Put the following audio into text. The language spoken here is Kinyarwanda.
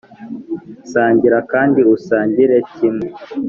sangira kandi usangire kimwe!